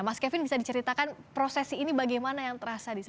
mas kevin bisa diceritakan prosesi ini bagaimana yang terasa di sana